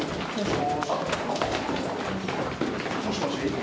もしもし。